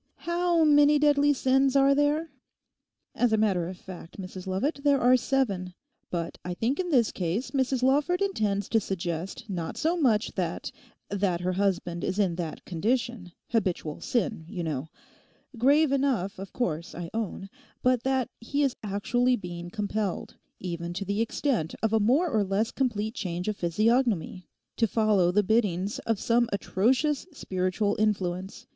How many "deadly sins" are there?' 'As a matter of fact, Mrs Lovat, there are seven. But I think in this case Mrs Lawford intends to suggest not so much that—that her husband is in that condition; habitual sin, you know—grave enough, of course, I own—but that he is actually being compelled, even to the extent of a more or less complete change of physiognomy, to follow the biddings of some atrocious spiritual influence.